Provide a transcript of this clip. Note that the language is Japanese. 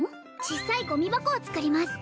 ちっさいゴミ箱を作ります